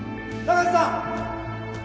中瀬さん！